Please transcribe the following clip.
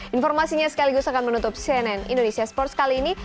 informasinya sekaligus akan menutup cnn indonesia sports kali ini